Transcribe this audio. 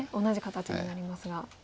同じ形になりますが。